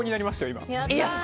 今。